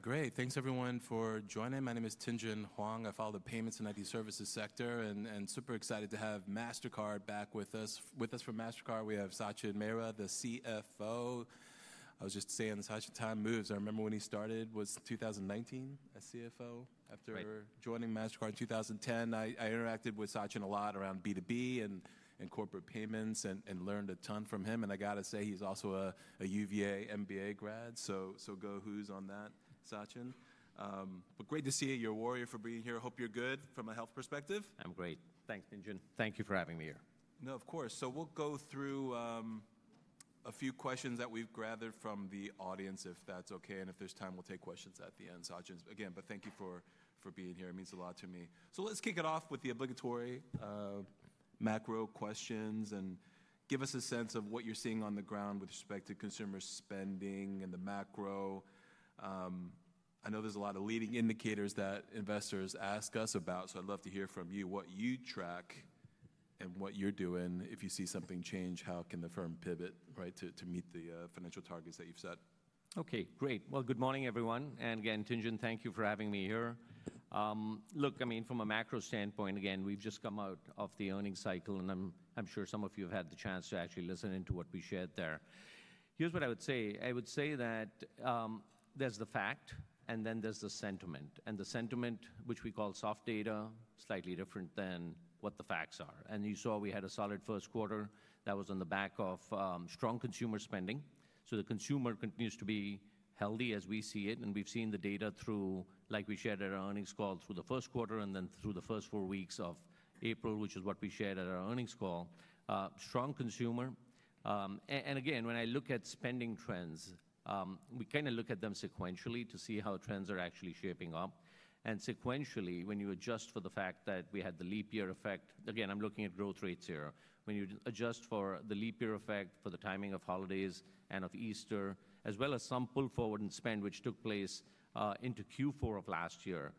Great. Thanks, everyone, for joining. My name is Tien-tsin Huang. I follow the payments and IT services sector, and super excited to have Mastercard back with us. With us for Mastercard, we have Sachin Mehra, the CFO. I was just saying, as time moves, I remember when he started was 2019 as CFO. After joining Mastercard in 2010, I interacted with Sachin a lot around B2B and corporate payments and learned a ton from him. I got to say, he's also a UVA MBA grad. Go Hoos on that, Sachin. Great to see you, you're a warrior, for being here. I hope you're good from a health perspective. I'm great. Thanks, Tien-tsin. Thank you for having me here. No, of course. We'll go through a few questions that we've gathered from the audience, if that's OK. If there's time, we'll take questions at the end, Sachin. Again, thank you for being here. It means a lot to me. Let's kick it off with the obligatory macro questions and give us a sense of what you're seeing on the ground with respect to consumer spending and the macro. I know there are a lot of leading indicators that investors ask us about. I'd love to hear from you what you track and what you're doing. If you see something change, how can the firm pivot to meet the financial targets that you've set? OK, great. Good morning, everyone. Again, Tien-tsin, thank you for having me here. Look, I mean, from a macro standpoint, we've just come out of the earnings cycle. I'm sure some of you have had the chance to actually listen into what we shared there. Here's what I would say. I would say that there's the fact, and then there's the sentiment. The sentiment, which we call soft data, is slightly different than what the facts are. You saw we had a solid first quarter that was on the back of strong consumer spending. The consumer continues to be healthy, as we see it. We've seen the data through, like we shared at our earnings call, through the first quarter and then through the first four weeks of April, which is what we shared at our earnings call. Strong consumer. When I look at spending trends, we kind of look at them sequentially to see how trends are actually shaping up. Sequentially, when you adjust for the fact that we had the leap year effect, again, I'm looking at growth rates here. When you adjust for the leap year effect, for the timing of holidays and of Easter, as well as some pull forward in spend, which took place into Q4 of last year,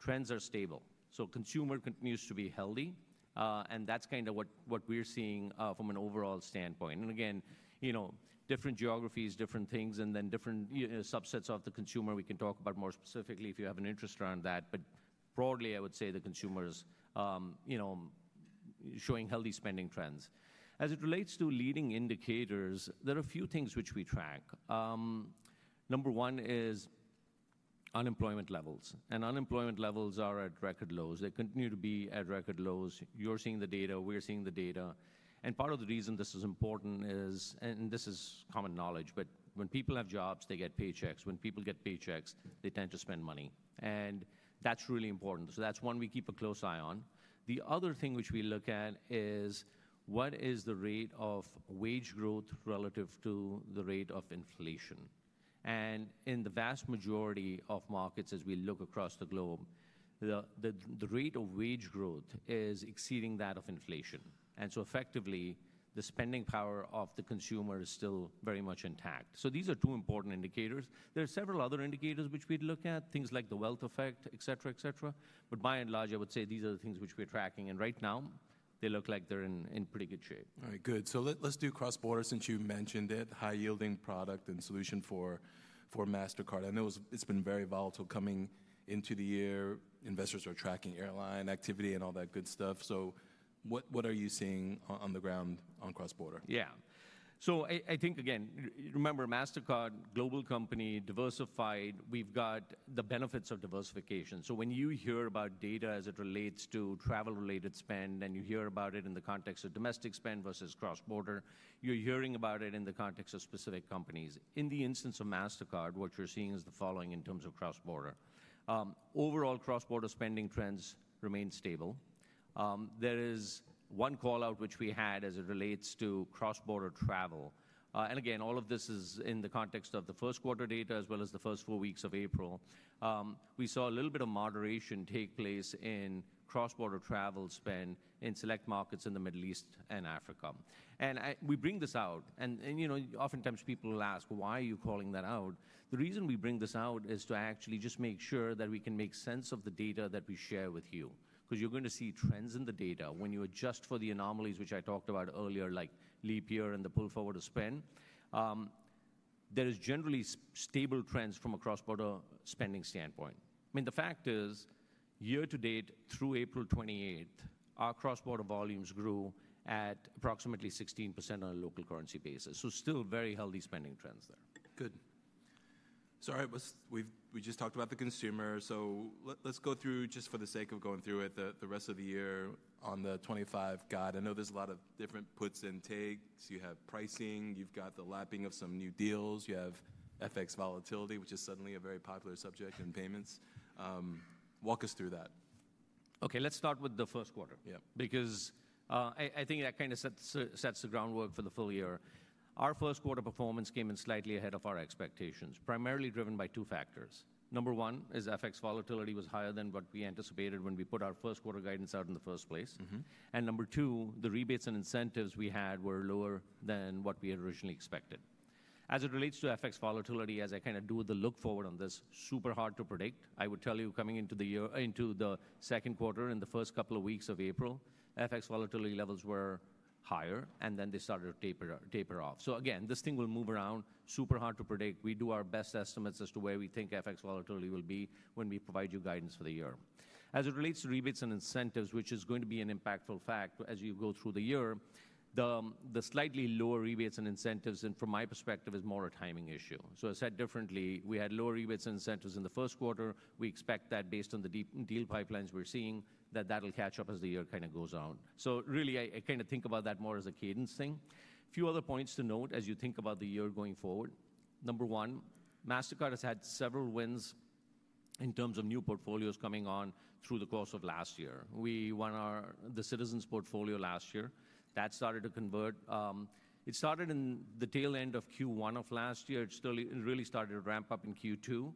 trends are stable. The consumer continues to be healthy. That is kind of what we're seeing from an overall standpoint. Different geographies, different things, and then different subsets of the consumer. We can talk about more specifically if you have an interest around that. Broadly, I would say the consumer is showing healthy spending trends. As it relates to leading indicators, there are a few things which we track. Number one is unemployment levels. Unemployment levels are at record lows. They continue to be at record lows. You're seeing the data. We're seeing the data. Part of the reason this is important is, and this is common knowledge, but when people have jobs, they get paychecks. When people get paychecks, they tend to spend money. That's really important. That's one we keep a close eye on. The other thing which we look at is, what is the rate of wage growth relative to the rate of inflation? In the vast majority of markets, as we look across the globe, the rate of wage growth is exceeding that of inflation. Effectively, the spending power of the consumer is still very much intact. These are two important indicators. There are several other indicators which we'd look at, things like the wealth effect, et cetera, et cetera. By and large, I would say these are the things which we're tracking. Right now, they look like they're in pretty good shape. All right, good. Let's do cross-border, since you mentioned it, high-yielding product and solution for Mastercard. I know it's been very volatile coming into the year. Investors are tracking airline activity and all that good stuff. What are you seeing on the ground on cross-border? Yeah. I think, again, remember, Mastercard, global company, diversified. We've got the benefits of diversification. When you hear about data as it relates to travel-related spend, and you hear about it in the context of domestic spend versus cross-border, you're hearing about it in the context of specific companies. In the instance of Mastercard, what you're seeing is the following in terms of cross-border. Overall, cross-border spending trends remain stable. There is one callout which we had as it relates to cross-border travel. Again, all of this is in the context of the first quarter data, as well as the first four weeks of April. We saw a little bit of moderation take place in cross-border travel spend in select markets in the Middle East and Africa. We bring this out. Oftentimes, people will ask, why are you calling that out? The reason we bring this out is to actually just make sure that we can make sense of the data that we share with you, because you're going to see trends in the data. When you adjust for the anomalies, which I talked about earlier, like leap year and the pull forward of spend, there are generally stable trends from a cross-border spending standpoint. I mean, the fact is, year to date, through April 28, our cross-border volumes grew at approximately 16% on a local currency basis. Still very healthy spending trends there. Good. Sorry, we just talked about the consumer. Let's go through, just for the sake of going through it, the rest of the year on the 2025 guide. I know there's a lot of different puts and takes. You have pricing. You've got the lapping of some new deals. You have FX volatility, which is suddenly a very popular subject in payments. Walk us through that. OK, let's start with the first quarter, because I think that kind of sets the groundwork for the full year. Our first quarter performance came in slightly ahead of our expectations, primarily driven by two factors. Number one is FX volatility was higher than what we anticipated when we put our first quarter guidance out in the first place. Number two, the rebates and incentives we had were lower than what we had originally expected. As it relates to FX volatility, as I kind of do with the look forward on this, super hard to predict. I would tell you, coming into the second quarter and the first couple of weeks of April, FX volatility levels were higher, and they started to taper off. This thing will move around. Super hard to predict. We do our best estimates as to where we think FX volatility will be when we provide you guidance for the year. As it relates to rebates and incentives, which is going to be an impactful fact as you go through the year, the slightly lower rebates and incentives, from my perspective, is more a timing issue. I said differently, we had lower rebates and incentives in the first quarter. We expect that, based on the deal pipelines we're seeing, that that'll catch up as the year kind of goes on. I kind of think about that more as a cadence thing. A few other points to note as you think about the year going forward. Number one, Mastercard has had several wins in terms of new portfolios coming on through the course of last year. We won the Citizens portfolio last year. That started to convert. It started in the tail end of Q1 of last year. It really started to ramp up in Q2.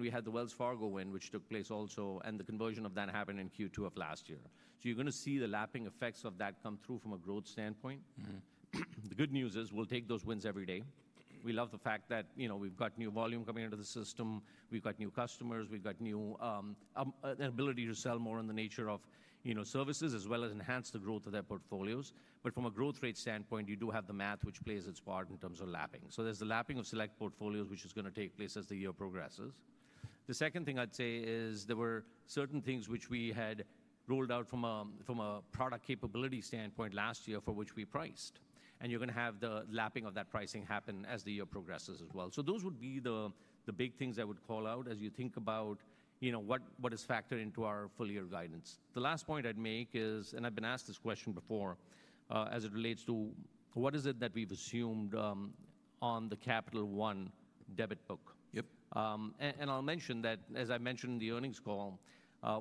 We had the Wells Fargo win, which took place also. The conversion of that happened in Q2 of last year. You're going to see the lapping effects of that come through from a growth standpoint. The good news is, we'll take those wins every day. We love the fact that we've got new volume coming into the system. We've got new customers. We've got new ability to sell more in the nature of services, as well as enhance the growth of their portfolios. From a growth rate standpoint, you do have the math, which plays its part in terms of lapping. There's the lapping of select portfolios, which is going to take place as the year progresses. The second thing I'd say is, there were certain things which we had rolled out from a product capability standpoint last year for which we priced. You're going to have the lapping of that pricing happen as the year progresses as well. Those would be the big things I would call out as you think about what is factored into our full year guidance. The last point I'd make is, and I've been asked this question before, as it relates to what is it that we've assumed on the Capital One debit book. I'll mention that, as I mentioned in the earnings call,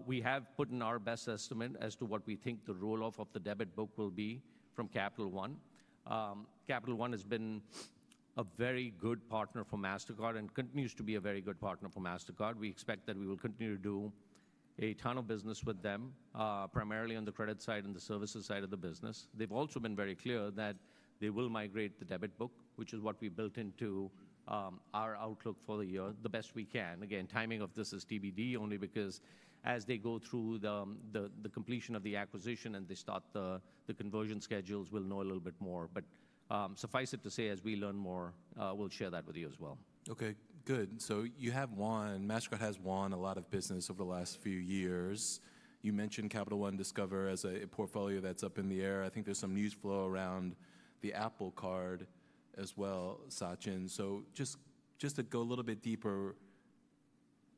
we have put in our best estimate as to what we think the roll-off of the debit book will be from Capital One. Capital One has been a very good partner for Mastercard and continues to be a very good partner for Mastercard. We expect that we will continue to do a ton of business with them, primarily on the credit side and the services side of the business. They have also been very clear that they will migrate the debit book, which is what we built into our outlook for the year, the best we can. Again, timing of this is TBD, only because as they go through the completion of the acquisition and they start the conversion schedules, we will know a little bit more. Suffice it to say, as we learn more, we will share that with you as well. OK, good. You have won. Mastercard has won a lot of business over the last few years. You mentioned Capital One Discover as a portfolio that's up in the air. I think there's some news flow around the Apple Card as well, Sachin. Just to go a little bit deeper,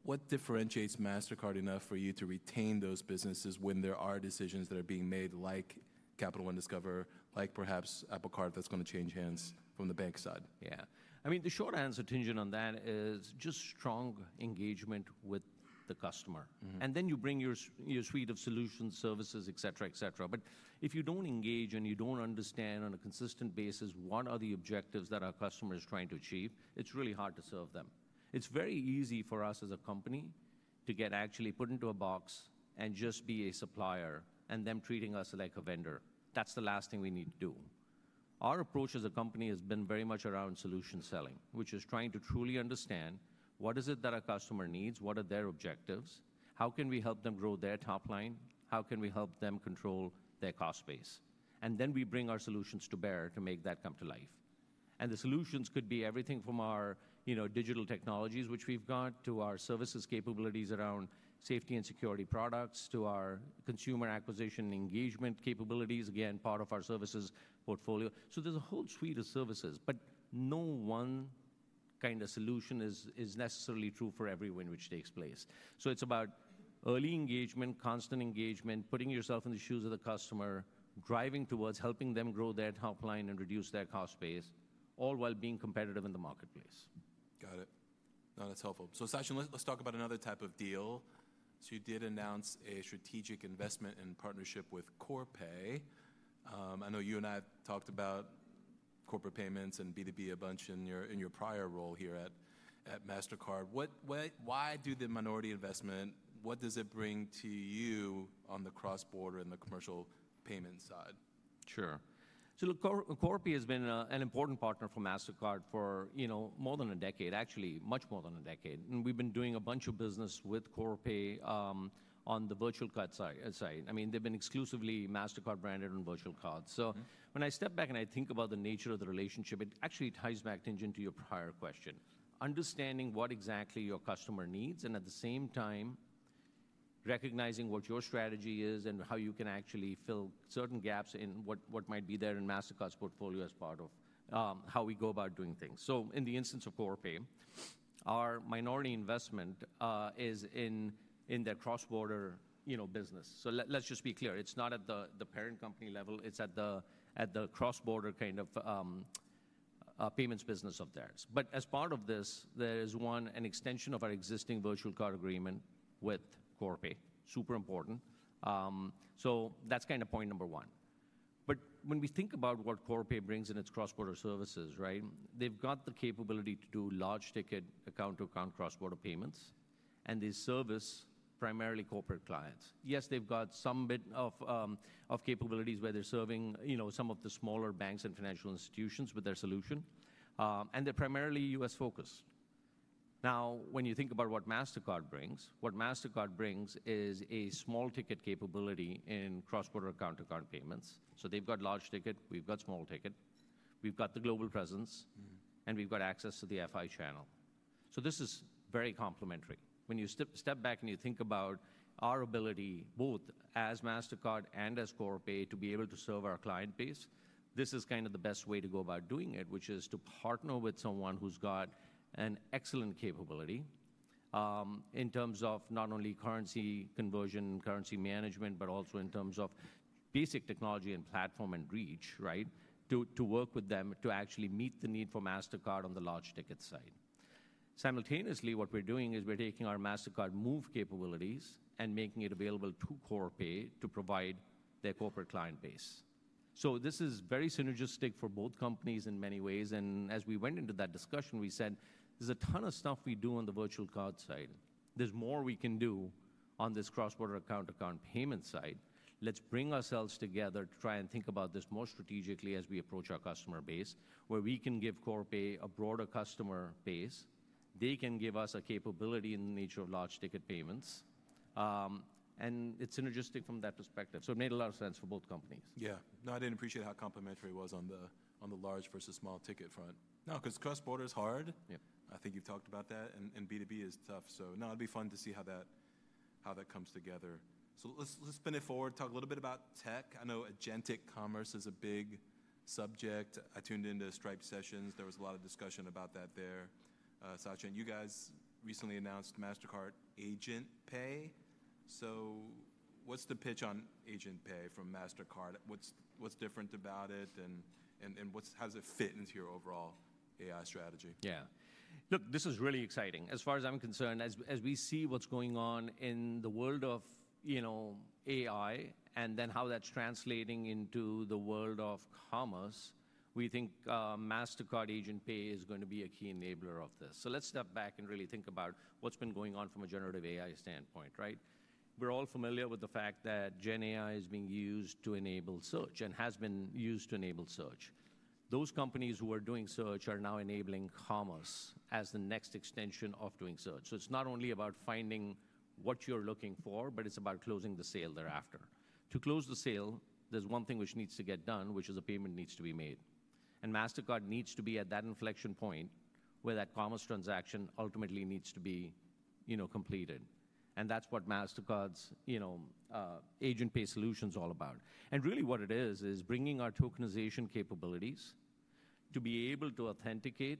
what differentiates Mastercard enough for you to retain those businesses when there are decisions that are being made, like Capital One Discover, like perhaps Apple Card, that's going to change hands from the bank side? Yeah. I mean, the short answer, Tinjun, on that is just strong engagement with the customer. And then you bring your suite of solutions, services, et cetera, et cetera. But if you do not engage and you do not understand on a consistent basis what are the objectives that our customer is trying to achieve, it is really hard to serve them. It is very easy for us as a company to get actually put into a box and just be a supplier and them treating us like a vendor. That is the last thing we need to do. Our approach as a company has been very much around solution selling, which is trying to truly understand what is it that our customer needs, what are their objectives, how can we help them grow their top line, how can we help them control their cost base. We bring our solutions to bear to make that come to life. The solutions could be everything from our digital technologies, which we've got, to our services capabilities around safety and security products, to our consumer acquisition engagement capabilities, again, part of our services portfolio. There is a whole suite of services. No one kind of solution is necessarily true for every win which takes place. It is about early engagement, constant engagement, putting yourself in the shoes of the customer, driving towards helping them grow their top line and reduce their cost base, all while being competitive in the marketplace. Got it. No, that's helpful. Sachin, let's talk about another type of deal. You did announce a strategic investment in partnership with Corpay. I know you and I have talked about corporate payments and B2B a bunch in your prior role here at Mastercard. Why do the minority investment, what does it bring to you on the cross-border and the commercial payment side? Sure. Corpay has been an important partner for Mastercard for more than a decade, actually, much more than a decade. We've been doing a bunch of business with Corpay on the virtual card side. I mean, they've been exclusively Mastercard branded on virtual cards. When I step back and I think about the nature of the relationship, it actually ties back, Tinjun, to your prior question, understanding what exactly your customer needs, and at the same time, recognizing what your strategy is and how you can actually fill certain gaps in what might be there in Mastercard's portfolio as part of how we go about doing things. In the instance of Corpay, our minority investment is in their cross-border business. Let's just be clear. It's not at the parent company level. It's at the cross-border kind of payments business of theirs. As part of this, there is an extension of our existing virtual card agreement with Corpay. Super important. That's kind of point number one. When we think about what Corpay brings in its cross-border services, they've got the capability to do large ticket account-to-account cross-border payments. They service primarily corporate clients. Yes, they've got some bit of capabilities where they're serving some of the smaller banks and financial institutions with their solution. They're primarily US-focused. When you think about what Mastercard brings, what Mastercard brings is a small ticket capability in cross-border account-to-account payments. They've got large ticket. We've got small ticket. We've got the global presence. We've got access to the FI channel. This is very complementary. When you step back and you think about our ability, both as Mastercard and as Corpay, to be able to serve our client base, this is kind of the best way to go about doing it, which is to partner with someone who's got an excellent capability in terms of not only currency conversion, currency management, but also in terms of basic technology and platform and reach, right, to work with them to actually meet the need for Mastercard on the large ticket side. Simultaneously, what we're doing is we're taking our Mastercard Move capabilities and making it available to Corpay to provide their corporate client base. This is very synergistic for both companies in many ways. As we went into that discussion, we said, there's a ton of stuff we do on the virtual card side. There's more we can do on this cross-border account-to-account payment side. Let's bring ourselves together to try and think about this more strategically as we approach our customer base, where we can give Corpay a broader customer base. They can give us a capability in the nature of large ticket payments. It is synergistic from that perspective. It made a lot of sense for both companies. Yeah. No, I didn't appreciate how complementary it was on the large versus small ticket front. No, because cross-border is hard. I think you've talked about that. And B2B is tough. No, it'd be fun to see how that comes together. Let's spin it forward, talk a little bit about tech. I know agentic commerce is a big subject. I tuned into Stripe Sessions. There was a lot of discussion about that there. Sachin, you guys recently announced Mastercard Agent Pay. What's the pitch on Agent Pay from Mastercard? What's different about it? How does it fit into your overall AI strategy? Yeah. Look, this is really exciting. As far as I'm concerned, as we see what's going on in the world of AI and then how that's translating into the world of commerce, we think Mastercard Agent Pay is going to be a key enabler of this. Let's step back and really think about what's been going on from a generative AI standpoint, right? We're all familiar with the fact that Gen AI is being used to enable search and has been used to enable search. Those companies who are doing search are now enabling commerce as the next extension of doing search. It's not only about finding what you're looking for, but it's about closing the sale thereafter. To close the sale, there's one thing which needs to get done, which is a payment needs to be made. Mastercard needs to be at that inflection point where that commerce transaction ultimately needs to be completed. That is what Mastercard's Agent Pay solution is all about. Really, what it is, is bringing our tokenization capabilities to be able to authenticate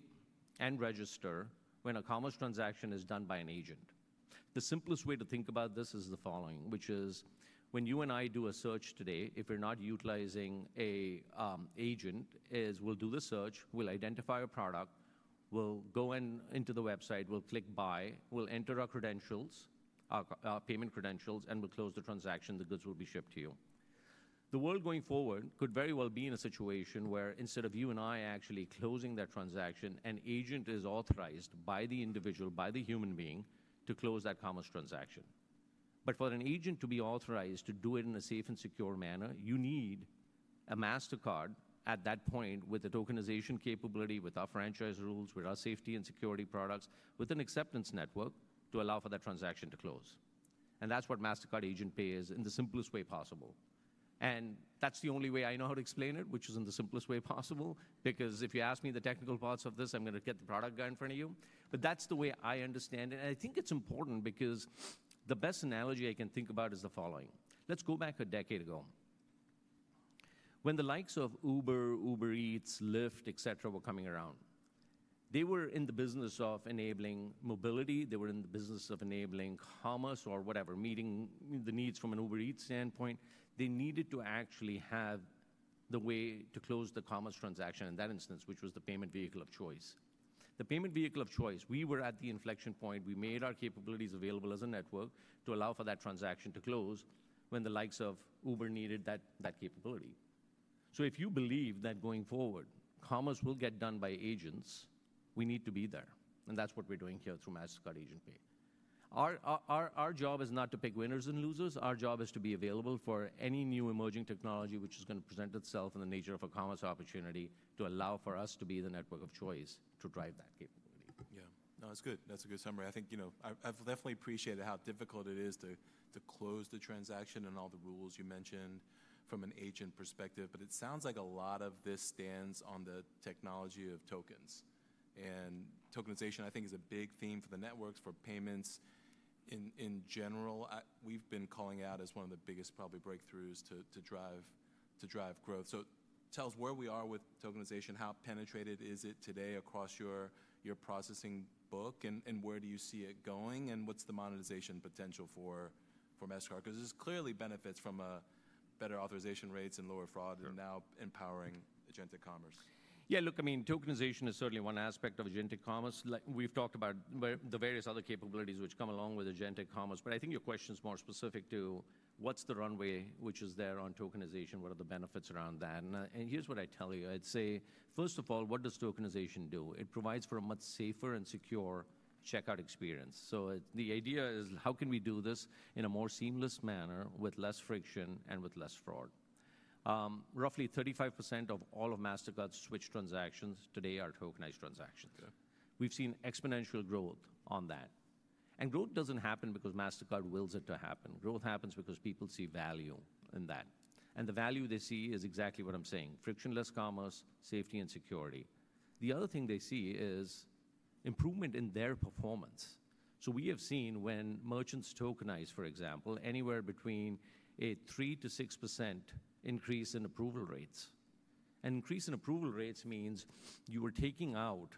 and register when a commerce transaction is done by an agent. The simplest way to think about this is the following, which is when you and I do a search today, if you're not utilizing an agent, we'll do the search. We'll identify a product. We'll go into the website. We'll click buy. We'll enter our credentials, our payment credentials, and we'll close the transaction that this will be shipped to you. The world going forward could very well be in a situation where instead of you and I actually closing that transaction, an agent is authorized by the individual, by the human being, to close that commerce transaction. For an agent to be authorized to do it in a safe and secure manner, you need a Mastercard at that point with a tokenization capability, with our franchise rules, with our safety and security products, with an acceptance network to allow for that transaction to close. That is what Mastercard Agent Pay is in the simplest way possible. That is the only way I know how to explain it, which is in the simplest way possible. If you ask me the technical parts of this, I am going to get the product guy in front of you. That is the way I understand it. I think it's important because the best analogy I can think about is the following. Let's go back a decade ago. When the likes of Uber, Uber Eats, Lyft, et cetera, were coming around, they were in the business of enabling mobility. They were in the business of enabling commerce or whatever, meeting the needs from an Uber Eats standpoint. They needed to actually have the way to close the commerce transaction in that instance, which was the payment vehicle of choice. The payment vehicle of choice, we were at the inflection point. We made our capabilities available as a network to allow for that transaction to close when the likes of Uber needed that capability. If you believe that going forward, commerce will get done by agents, we need to be there. That's what we're doing here through Mastercard Agent Pay. Our job is not to pick winners and losers. Our job is to be available for any new emerging technology, which is going to present itself in the nature of a commerce opportunity to allow for us to be the network of choice to drive that capability. Yeah. No, that's good. That's a good summary. I think I've definitely appreciated how difficult it is to close the transaction and all the rules you mentioned from an agent perspective. It sounds like a lot of this stands on the technology of tokens. And tokenization, I think, is a big theme for the networks, for payments in general. We've been calling out as one of the biggest probably breakthroughs to drive growth. Tell us where we are with tokenization. How penetrated is it today across your processing book? Where do you see it going? What's the monetization potential for Mastercard? Because there's clearly benefits from better authorization rates and lower fraud and now empowering agentic commerce. Yeah. Look, I mean, tokenization is certainly one aspect of agentic commerce. We've talked about the various other capabilities which come along with agentic commerce. I think your question is more specific to what's the runway which is there on tokenization? What are the benefits around that? Here's what I tell you. I'd say, first of all, what does tokenization do? It provides for a much safer and secure checkout experience. The idea is, how can we do this in a more seamless manner with less friction and with less fraud? Roughly 35% of all of Mastercard's switch transactions today are tokenized transactions. We've seen exponential growth on that. Growth doesn't happen because Mastercard wills it to happen. Growth happens because people see value in that. The value they see is exactly what I'm saying, frictionless commerce, safety, and security. The other thing they see is improvement in their performance. We have seen when merchants tokenize, for example, anywhere between a 3%-6% increase in approval rates. An increase in approval rates means you are taking out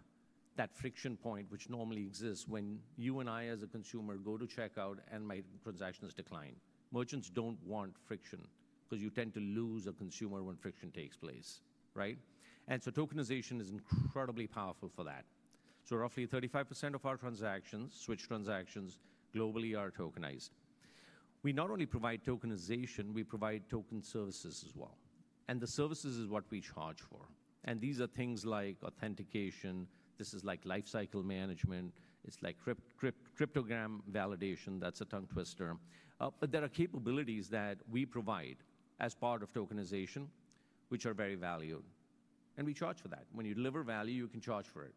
that friction point which normally exists when you and I, as a consumer, go to checkout and my transactions decline. Merchants do not want friction because you tend to lose a consumer when friction takes place, right? Tokenization is incredibly powerful for that. Roughly 35% of our transactions, switch transactions globally, are tokenized. We not only provide tokenization, we provide token services as well. The services are what we charge for. These are things like authentication. This is like lifecycle management. It is like cryptogram validation. That is a tongue twister. There are capabilities that we provide as part of tokenization, which are very valued. We charge for that. When you deliver value, you can charge for it.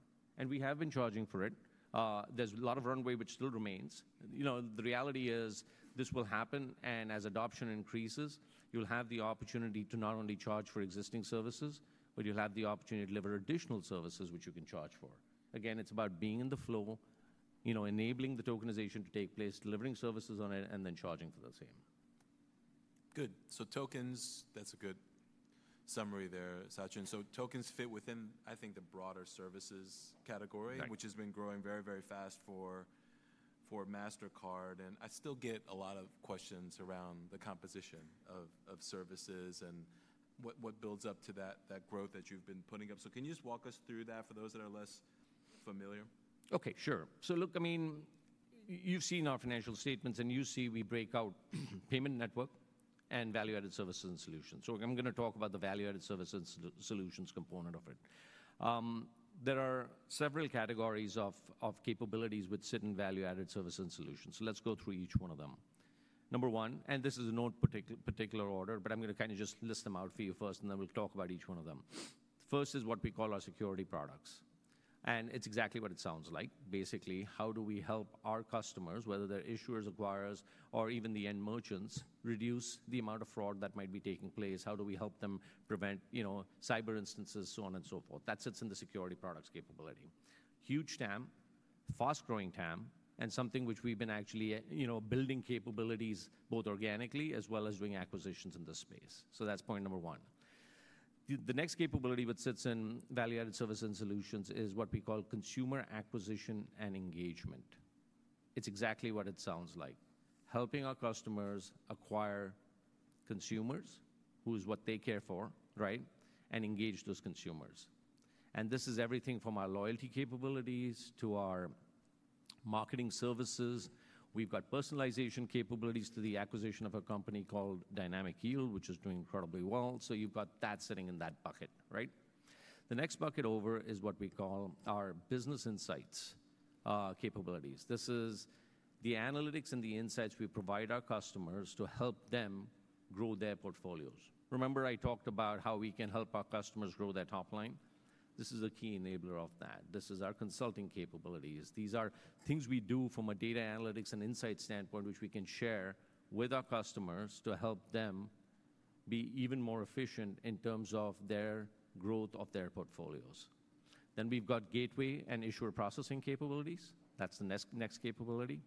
We have been charging for it. There is a lot of runway, which still remains. The reality is this will happen. As adoption increases, you'll have the opportunity to not only charge for existing services, but you'll have the opportunity to deliver additional services, which you can charge for. Again, it's about being in the flow, enabling the tokenization to take place, delivering services on it, and then charging for the same. Good. Tokens, that's a good summary there, Sachin. Tokens fit within, I think, the broader services category, which has been growing very, very fast for Mastercard. I still get a lot of questions around the composition of services and what builds up to that growth that you've been putting up. Can you just walk us through that for those that are less familiar? OK, sure. Look, I mean, you've seen our financial statements, and you see we break out payment network and value-added services and solutions. I'm going to talk about the value-added services and solutions component of it. There are several categories of capabilities which sit in value-added services and solutions. Let's go through each one of them. Number one, and this is no particular order, but I'm going to kind of just list them out for you first, and then we'll talk about each one of them. First is what we call our security products. It's exactly what it sounds like. Basically, how do we help our customers, whether they're issuers, acquirers, or even the end merchants, reduce the amount of fraud that might be taking place? How do we help them prevent cyber instances, so on and so forth? That sits in the security products capability. Huge TAM, fast-growing TAM, and something which we've been actually building capabilities both organically as well as doing acquisitions in this space. That's point number one. The next capability which sits in value-added services and solutions is what we call consumer acquisition and engagement. It's exactly what it sounds like, helping our customers acquire consumers, who is what they care for, right, and engage those consumers. This is everything from our loyalty capabilities to our marketing services. We've got personalization capabilities to the acquisition of a company called Dynamic Yield, which is doing incredibly well. You've got that sitting in that bucket, right? The next bucket over is what we call our business insights capabilities. This is the analytics and the insights we provide our customers to help them grow their portfolios. Remember, I talked about how we can help our customers grow their top line? This is a key enabler of that. This is our consulting capabilities. These are things we do from a data analytics and insights standpoint, which we can share with our customers to help them be even more efficient in terms of their growth of their portfolios. We have gateway and issuer processing capabilities. That is the next capability.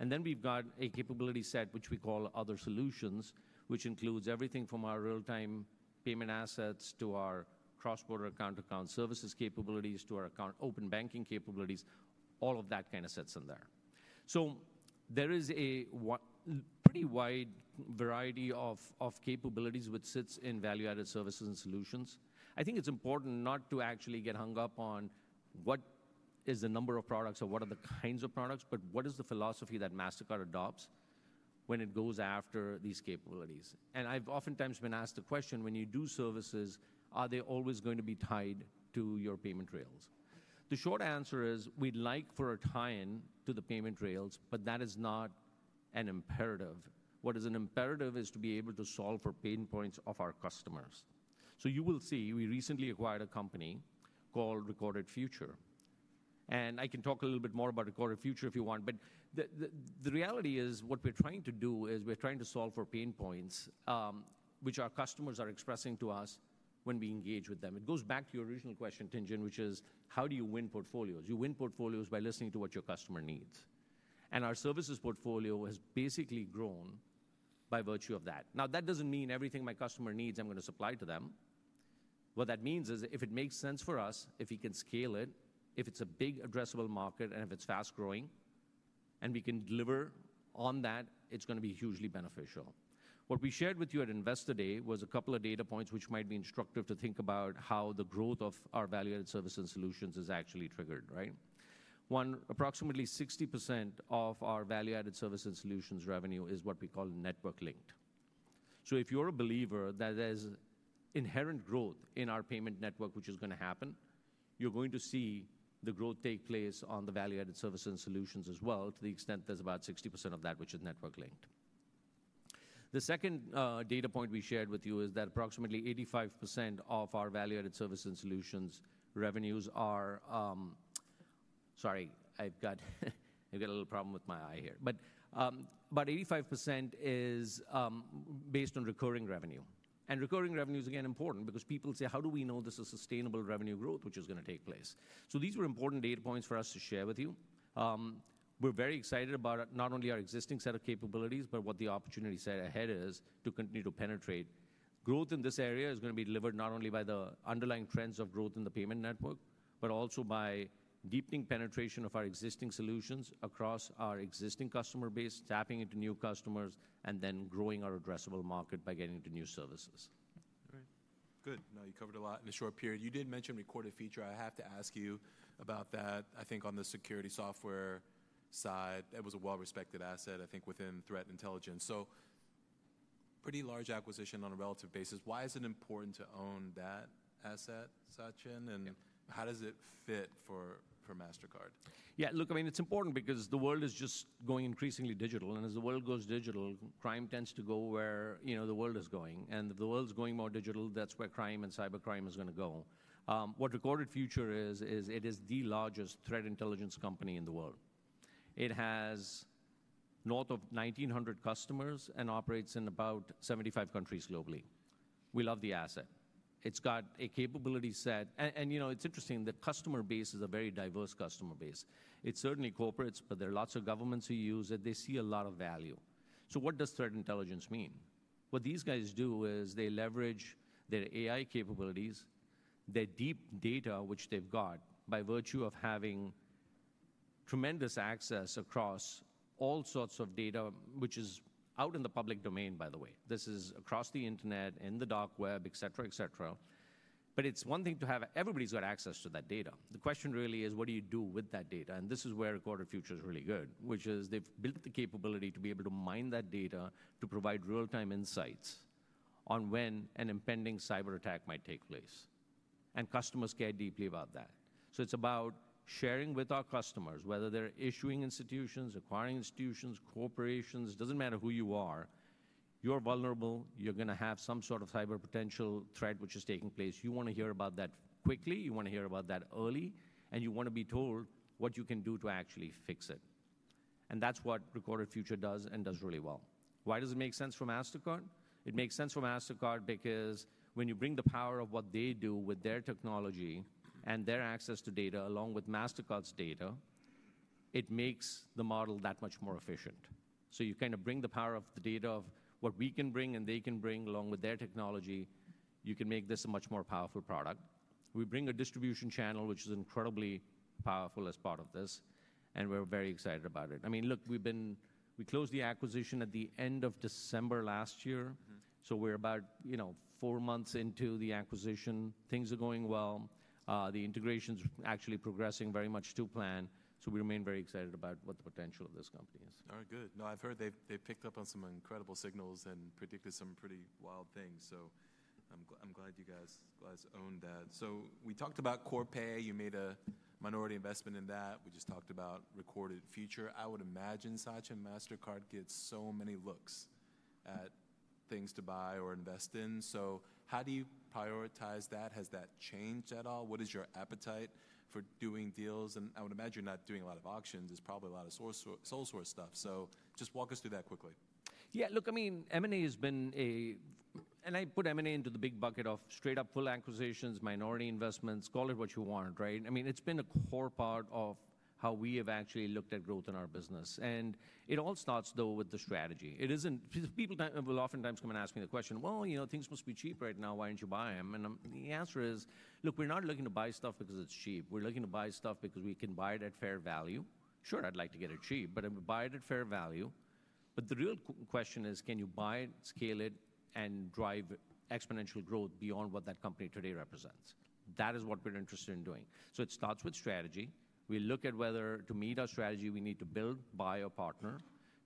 We have a capability set, which we call other solutions, which includes everything from our real-time payment assets to our cross-border account-to-account services capabilities to our open banking capabilities, all of that kind of sits in there. There is a pretty wide variety of capabilities which sits in value-added services and solutions. I think it's important not to actually get hung up on what is the number of products or what are the kinds of products, but what is the philosophy that Mastercard adopts when it goes after these capabilities? I've oftentimes been asked the question, when you do services, are they always going to be tied to your payment rails? The short answer is we'd like for a tie-in to the payment rails, but that is not an imperative. What is an imperative is to be able to solve for pain points of our customers. You will see we recently acquired a company called Recorded Future. I can talk a little bit more about Recorded Future if you want. The reality is what we're trying to do is we're trying to solve for pain points which our customers are expressing to us when we engage with them. It goes back to your original question, Tien-tsin, which is how do you win portfolios? You win portfolios by listening to what your customer needs. Our services portfolio has basically grown by virtue of that. That does not mean everything my customer needs, I am going to supply to them. What that means is if it makes sense for us, if we can scale it, if it is a big addressable market, and if it is fast-growing, and we can deliver on that, it is going to be hugely beneficial. What we shared with you at Invest Today was a couple of data points which might be instructive to think about how the growth of our value-added services and solutions is actually triggered, right? One, approximately 60% of our value-added services and solutions revenue is what we call network-linked. If you're a believer that there's inherent growth in our payment network, which is going to happen, you're going to see the growth take place on the value-added services and solutions as well, to the extent there's about 60% of that which is network-linked. The second data point we shared with you is that approximately 85% of our value-added services and solutions revenues are, sorry, I've got a little problem with my eye here. 85% is based on recurring revenue. Recurring revenue is, again, important because people say, how do we know this is sustainable revenue growth, which is going to take place? These were important data points for us to share with you. We're very excited about not only our existing set of capabilities, but what the opportunity set ahead is to continue to penetrate. Growth in this area is going to be delivered not only by the underlying trends of growth in the payment network, but also by deepening penetration of our existing solutions across our existing customer base, tapping into new customers, and then growing our addressable market by getting into new services. Right. Good. No, you covered a lot in the short period. You did mention Recorded Future. I have to ask you about that. I think on the security software side, that was a well-respected asset, I think, within threat intelligence. So pretty large acquisition on a relative basis. Why is it important to own that asset, Sachin? And how does it fit for Mastercard? Yeah. Look, I mean, it's important because the world is just going increasingly digital. As the world goes digital, crime tends to go where the world is going. If the world is going more digital, that's where crime and cybercrime is going to go. What Recorded Future is, is it is the largest threat intelligence company in the world. It has north of 1,900 customers and operates in about 75 countries globally. We love the asset. It's got a capability set. It's interesting, the customer base is a very diverse customer base. It's certainly corporates, but there are lots of governments who use it. They see a lot of value. What does threat intelligence mean? What these guys do is they leverage their AI capabilities, their deep data, which they've got by virtue of having tremendous access across all sorts of data, which is out in the public domain, by the way. This is across the internet, in the dark web, et cetera, et cetera. It is one thing to have everybody's got access to that data. The question really is, what do you do with that data? This is where Recorded Future is really good, which is they've built the capability to be able to mine that data to provide real-time insights on when an impending cyberattack might take place. Customers care deeply about that. It is about sharing with our customers, whether they're issuing institutions, acquiring institutions, corporations, it doesn't matter who you are. You're vulnerable. You're going to have some sort of cyber potential threat, which is taking place. You want to hear about that quickly. You want to hear about that early. You want to be told what you can do to actually fix it. That's what Recorded Future does and does really well. Why does it make sense for Mastercard? It makes sense for Mastercard because when you bring the power of what they do with their technology and their access to data, along with Mastercard's data, it makes the model that much more efficient. You kind of bring the power of the data of what we can bring and they can bring along with their technology. You can make this a much more powerful product. We bring a distribution channel, which is incredibly powerful as part of this. We're very excited about it. I mean, look, we closed the acquisition at the end of December last year. We're about four months into the acquisition. Things are going well. The integration is actually progressing very much to plan. We remain very excited about what the potential of this company is. All right. Good. No, I've heard they picked up on some incredible signals and predicted some pretty wild things. I am glad you guys owned that. We talked about Corpay. You made a minority investment in that. We just talked about Recorded Future. I would imagine, Sachin, Mastercard gets so many looks at things to buy or invest in. How do you prioritize that? Has that changed at all? What is your appetite for doing deals? I would imagine not doing a lot of auctions is probably a lot of sole source stuff. Just walk us through that quickly. Yeah. Look, I mean, M&A has been a—and I put M&A into the big bucket of straight-up full acquisitions, minority investments, call it what you want, right? I mean, it's been a core part of how we have actually looked at growth in our business. It all starts, though, with the strategy. People will oftentimes come and ask me the question, you know, things must be cheap right now. Why aren't you buying them? The answer is, look, we're not looking to buy stuff because it's cheap. We're looking to buy stuff because we can buy it at fair value. Sure, I'd like to get it cheap, but I would buy it at fair value. The real question is, can you buy it, scale it, and drive exponential growth beyond what that company today represents? That is what we're interested in doing. It starts with strategy. We look at whether, to meet our strategy, we need to build, buy, or partner.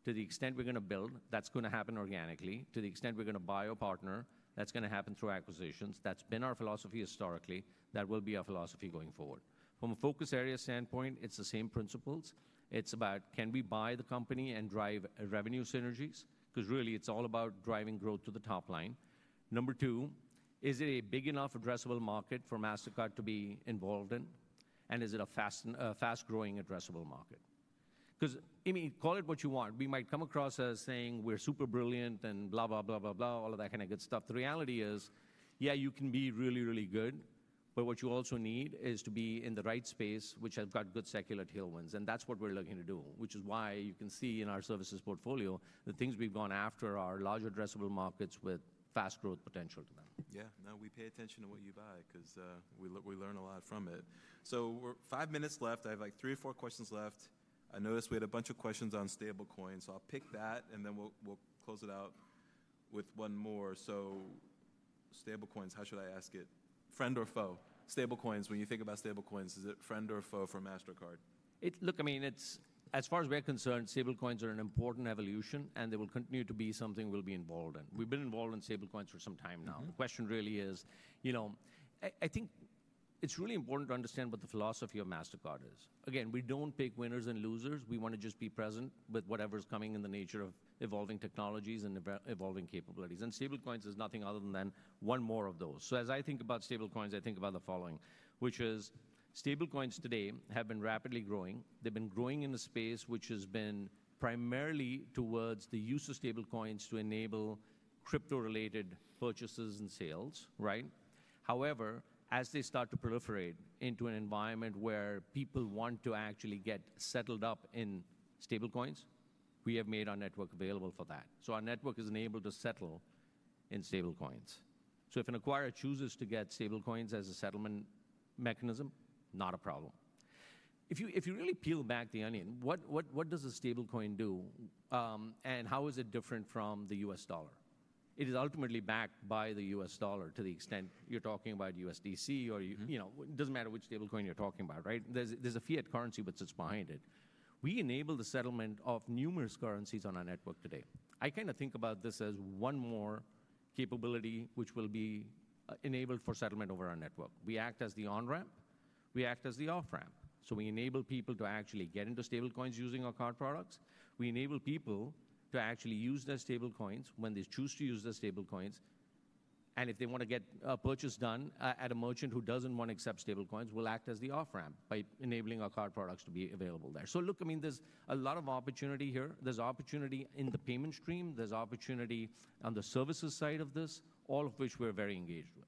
To the extent we're going to build, that's going to happen organically. To the extent we're going to buy, or partner, that's going to happen through acquisitions. That's been our philosophy historically. That will be our philosophy going forward. From a focus area standpoint, it's the same principles. It's about, can we buy the company and drive revenue synergies? Because really, it's all about driving growth to the top line. Number two, is it a big enough addressable market for Mastercard to be involved in? And is it a fast-growing addressable market? Because, I mean, call it what you want. We might come across as saying we're super brilliant and blah, blah, blah, blah, blah, all of that kind of good stuff. The reality is, yeah, you can be really, really good. What you also need is to be in the right space, which has got good secular tailwinds. That is what we're looking to do, which is why you can see in our services portfolio, the things we've gone after are large addressable markets with fast growth potential to them. Yeah. No, we pay attention to what you buy because we learn a lot from it. We're five minutes left. I have like three or four questions left. I noticed we had a bunch of questions on stablecoins. I'll pick that, and then we'll close it out with one more. Stablecoins, how should I ask it? Friend or foe? Stablecoins, when you think about stablecoins, is it friend or foe for Mastercard? Look, I mean, as far as we're concerned, stablecoins are an important evolution, and they will continue to be something we'll be involved in. We've been involved in stablecoins for some time now. The question really is, you know I think it's really important to understand what the philosophy of Mastercard is. Again, we don't pick winners and losers. We want to just be present with whatever's coming in the nature of evolving technologies and evolving capabilities. Stablecoins is nothing other than one more of those. As I think about stablecoins, I think about the following, which is stablecoins today have been rapidly growing. They've been growing in a space which has been primarily towards the use of stablecoins to enable crypto-related purchases and sales, right? However, as they start to proliferate into an environment where people want to actually get settled up in stablecoins, we have made our network available for that. Our network is enabled to settle in stablecoins. If an acquirer chooses to get stablecoins as a settlement mechanism, not a problem. If you really peel back the onion, what does a stablecoin do? How is it different from the US dollar? It is ultimately backed by the US dollar to the extent you're talking about USDC or it doesn't matter which stablecoin you're talking about, right? There's a fiat currency, but it's behind it. We enable the settlement of numerous currencies on our network today. I kind of think about this as one more capability which will be enabled for settlement over our network. We act as the on-ramp. We act as the off-ramp. We enable people to actually get into stablecoins using our card products. We enable people to actually use their stablecoins when they choose to use their stablecoins. If they want to get a purchase done at a merchant who does not want to accept stablecoins, we will act as the off-ramp by enabling our card products to be available there. Look, I mean, there is a lot of opportunity here. There is opportunity in the payment stream. There is opportunity on the services side of this, all of which we are very engaged with.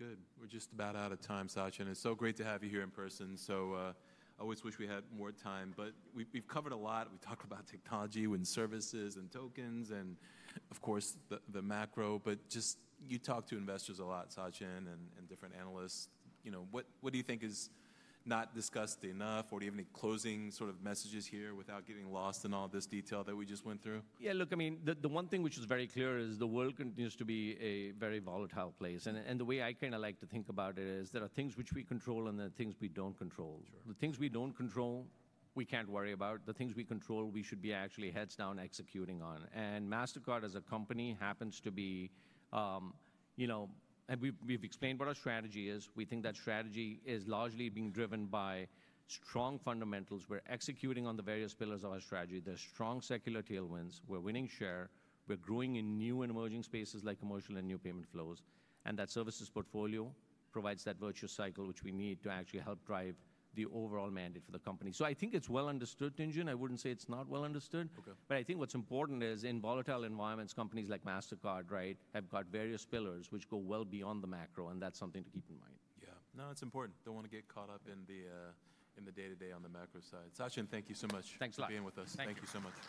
All right. Good. We're just about out of time, Sachin. It's so great to have you here in person. I always wish we had more time. We've covered a lot. We talked about technology and services and tokens and, of course, the macro. You talk to investors a lot, Sachin, and different analysts. What do you think is not discussed enough? Do you have any closing sort of messages here without getting lost in all this detail that we just went through? Yeah. Look, I mean, the one thing which is very clear is the world continues to be a very volatile place. The way I kind of like to think about it is there are things which we control and there are things we do not control. The things we do not control, we cannot worry about. The things we control, we should be actually heads down executing on. Mastercard as a company happens to be, you know, we have explained what our strategy is. We think that strategy is largely being driven by strong fundamentals. We are executing on the various pillars of our strategy. There are strong secular tailwinds. We are winning share. We are growing in new and emerging spaces like commercial and new payment flows. That services portfolio provides that virtuous cycle which we need to actually help drive the overall mandate for the company. I think it's well understood, Tien-tsin. I wouldn't say it's not well understood. I think what's important is in volatile environments, companies like Mastercard, right, have got various pillars which go well beyond the macro. That's something to keep in mind. Yeah. No, that's important. Don't want to get caught up in the day-to-day on the macro side. Sachin, thank you so much for being with us. Thanks a lot. Thank you so much.